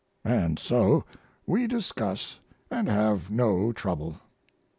And so we discuss & have no trouble.